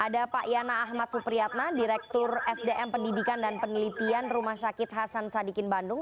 ada pak yana ahmad supriyatna direktur sdm pendidikan dan penelitian rumah sakit hasan sadikin bandung